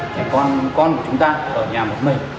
trẻ con của chúng ta ở nhà một mình